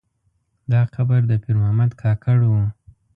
دا قبر د پیر محمد کاکړ و.